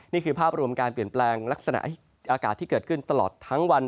นี่คือภาพรวมการเปลี่ยนแปลงลักษณะอากาศที่เกิดขึ้นตลอดทั้งวัน